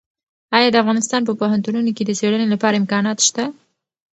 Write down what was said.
ایا د افغانستان په پوهنتونونو کې د څېړنې لپاره امکانات شته؟